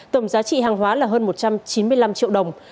tổng giá trị hàng hóa là hơn một trăm chín mươi năm triệu đồng